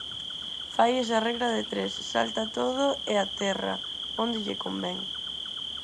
Fai esa regra de tres, salta todo e aterra onde lle convén.